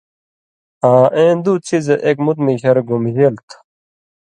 آں اېں دو څیزہۡ اېک مُت مِشر گُمبژېل تھو۔